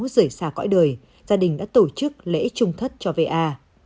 rời xa cõi đời gia đình đã tổ chức lễ trung thất cho v a